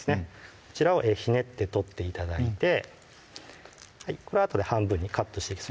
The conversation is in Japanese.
こちらをひねって取って頂いてこれはあとで半分にカットしていきます